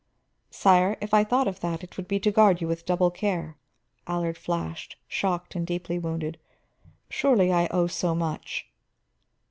"Sire, if I thought of that it would be to guard you with double care," Allard flashed, shocked and deeply wounded. "Surely I owe so much."